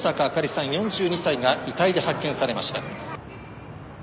４２歳が遺体で発見されました。